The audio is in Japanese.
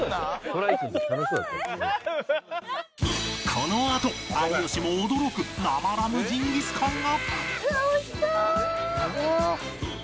このあと有吉も驚く生ラムジンギスカンが！